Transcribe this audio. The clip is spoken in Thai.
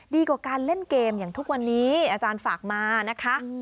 ดีกว่าการเล่นเกมอย่างทุกวันนี้อาจารย์ฝากมานะคะ